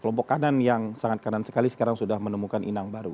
kelompok kanan yang sangat kanan sekali sekarang sudah menemukan inang baru